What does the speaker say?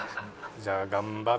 じゃあ頑張って。